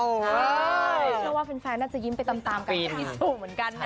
น่าว่าแฟนน่าจะยิ้มไปตามกันที่สู่เหมือนกันนะ